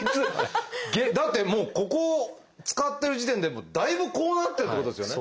だってもうここを使ってる時点でだいぶこうなってるってことですよね。